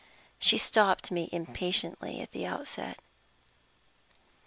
She stopped me impatiently at the outset.